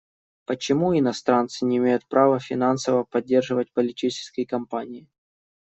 Почему иностранцы не имеют права финансово поддерживать политические кампании?